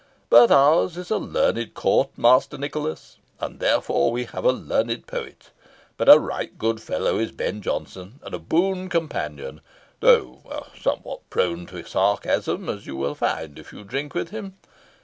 But ours is a learned court, Master Nicholas, and therefore we have a learned poet; but a right good fellow is Ben Jonson, and a boon companion, though somewhat prone to sarcasm, as you will find if you drink with him.